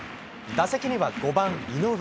打席には５番井上。